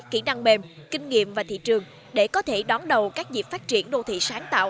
kỹ năng mềm kinh nghiệm và thị trường để có thể đón đầu các dịp phát triển đô thị sáng tạo